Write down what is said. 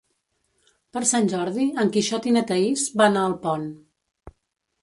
Per Sant Jordi en Quixot i na Thaís van a Alpont.